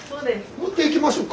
持っていきましょうか？